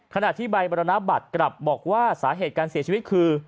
ขณะที่ใบบรรณบัตรกลับบอกว่าสาเหตุการเสียชีวิตคือ